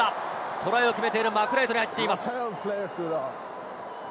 トライを決めているマクライトに入っています。